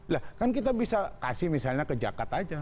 lah kan kita bisa kasih misalnya ke jakat aja